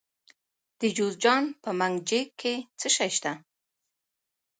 د جوزجان په منګجیک کې څه شی شته؟